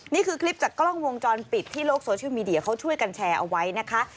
นี่คือคลิปจากกล้องวงจรปิดที่โลกโซเชียลมีเดียเขาช่วยกันแชร์เอาไว้นะคะ